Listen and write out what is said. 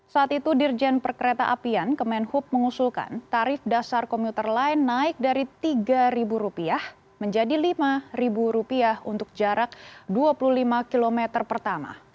saat itu dirjen perkereta apian kemenhub mengusulkan tarif dasar komuter lain naik dari rp tiga menjadi rp lima untuk jarak dua puluh lima km pertama